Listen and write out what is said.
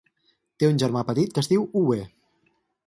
Té un germà petit que es diu Uwe.